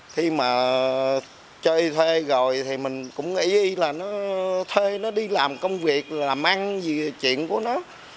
khi mà chơi thuê rồi thì mình cũng nghĩ là nó thuê nó đi làm công việc là làm ăn gì chuyện của nó